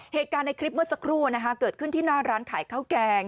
เหตุการณ์ในคลิปเมื่อสักครู่เกิดขึ้นที่หน้าร้านขายข้าวแกง